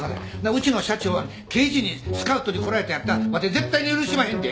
うちの社長を刑事にスカウトに来られたんやったらわて絶対に許しまへんで。